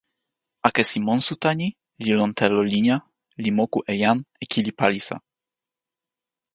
akesi monsuta ni li lon telo linja li moku e jan e kili palisa.